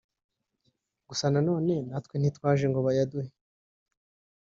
gusa nanone natwe ntitwaje ngo bayaduhe